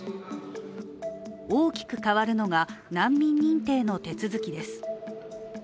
大きく変わるのが難民認定の手続きです。